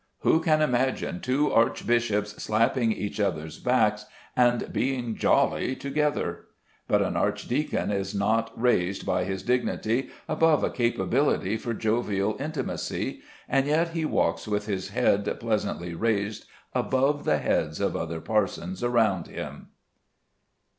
Who can imagine two archbishops slapping each other's backs and being jolly together? But an archdeacon is not raised by his dignity above a capability for jovial intimacy, and yet he walks with his head pleasantly raised above the heads of other parsons around him.